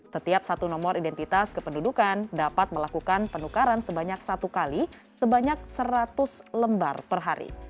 setiap satu nomor identitas kependudukan dapat melakukan penukaran sebanyak satu kali sebanyak seratus lembar per hari